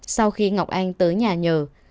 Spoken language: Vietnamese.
sau khi ngọc anh tới nhà nhờ